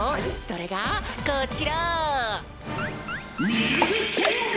それがこちら！